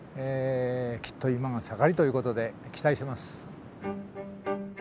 きっと今が盛りということで期待してます。